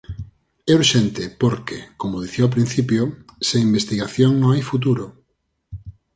É urxente, porque, como dicía ao principio, sen Investigación non hai futuro.